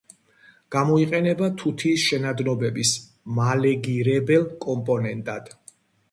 გამოიყენება თუთიის შენადნობების მალეგირებელ კომპონენტად.